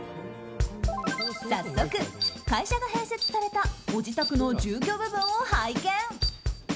早速、会社が併設されたご自宅の住居部分を拝見。